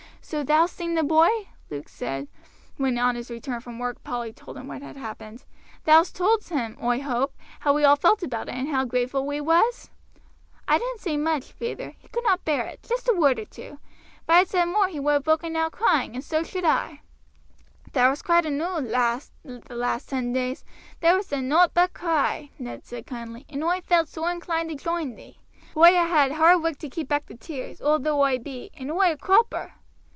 "So thou'st seen the boy?" Luke said, when on his return from work Polly told him what had happened. "Thou told's him, oi hope, how we all felt about it, and how grateful we was?" "I didn't say much, feyther, he could not bear it; just a word or two; if I had said more he would have broken out crying, and so should I." "Thou hast cried enoo, lass, the last ten days. Thou hast done nowt but cry," Luke said kindly, "and oi felt sore inclined to join thee. Oi ha' had hard work to keep back the tears, old though oi be, and oi a cropper."